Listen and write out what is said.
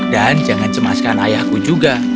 dan jangan cemaskan ayahku juga